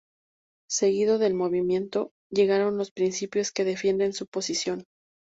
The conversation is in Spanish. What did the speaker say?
Seguido del movimiento, llegaron los principios que defienden su posición.